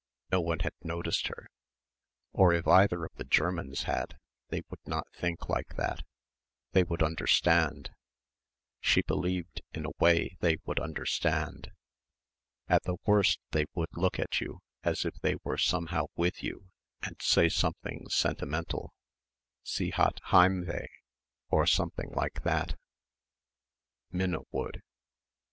No one had noticed her or if either of the Germans had they would not think like that they would understand she believed in a way, they would understand. At the worst they would look at you as if they were somehow with you and say something sentimental. "Sie hat Heimweh" or something like that. Minna would.